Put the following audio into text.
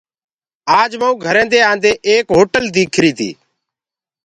آج مئون گھرينٚدي آ نٚدي ايڪ هوٽل ديٚکريٚ تيٚ